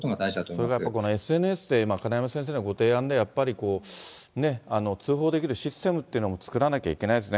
それからやっぱり、ＳＮＳでという金山先生のご提案で、やっぱり通報できるシステムっていうのも、作らなきゃいけないですね。